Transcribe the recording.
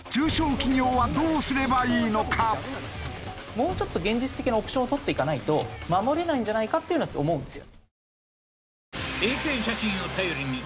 もうちょっと現実的なオプションを取っていかないと守れないんじゃないかっていうのは思うんですよね。